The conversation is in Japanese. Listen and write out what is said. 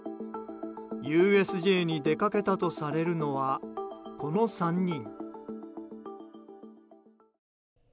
ＵＳＪに出かけたとされるのはこの３人。